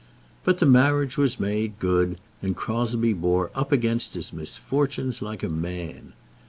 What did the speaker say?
But the marriage was made good, and Crosbie bore up against his misfortunes like a man.